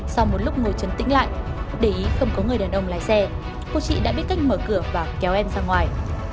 sau một lúc ngồi chấn tĩnh lại để ý không có người đàn ông lái xe cô chị đã biết cách mở cửa và kéo em ra ngoài